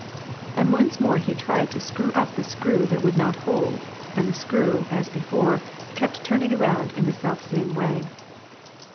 And once more he tried to screw up the screw that would not hold, and the screw, as before, kept turning around in the selfisame way.